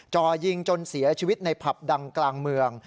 จ่อยิงจนเสียชีวิตในผับดังกลางเมือง